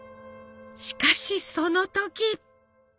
しかしその時！